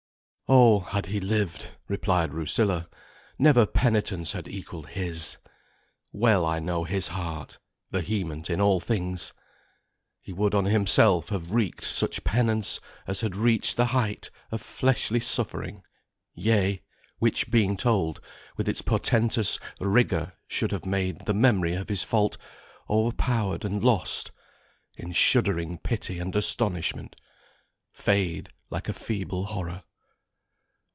"Oh, had he lived, Replied Rusilla, never penitence Had equalled his! full well I know his heart, Vehement in all things. He would on himself Have wreaked such penance as had reached the height Of fleshly suffering, yea, which being told, With its portentous rigour should have made The memory of his fault, o'erpowered and lost In shuddering pity and astonishment, Fade like a feeble horror."